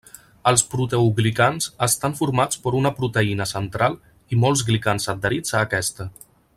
Els proteoglicans estan formats per una proteïna central i molts glicans adherits a aquesta.